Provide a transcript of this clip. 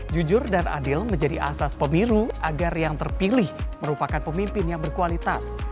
jujur dan adil menjadi asas pemilu agar yang terpilih merupakan pemimpin yang berkualitas